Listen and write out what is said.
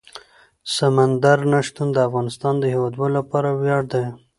سمندر نه شتون د افغانستان د هیوادوالو لپاره ویاړ دی.